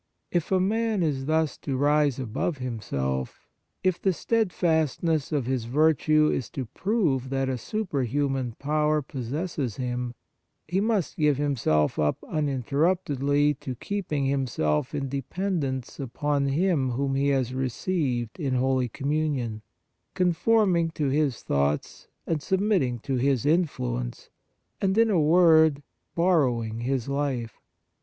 If a man is thus to rise above himself, if the steadfastness of his virtue is to prove that a superhuman power pos sesses him, he must give himself up uninterruptedly to keeping himself in dependence upon Him whom he has received in Holy Communion, con forming to His thoughts and submit ting to His influence, and, in a word, borrowing His life.